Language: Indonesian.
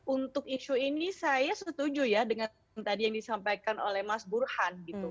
untuk isu ini saya setuju ya dengan tadi yang disampaikan oleh mas burhan